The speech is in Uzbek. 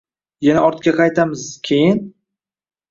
Yana ortga qaytamiz keyin